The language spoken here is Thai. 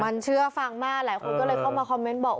มันเชื่อฟังมากหลายคนก็เลยเข้ามาคอมเมนต์บอก